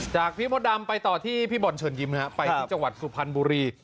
พี่มดดำไปต่อที่พี่บอลเชิญยิ้มไปที่จังหวัดสุพรรณบุรี